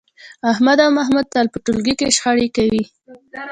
احمد او محمود تل په ټولګي کې شخړې کوي.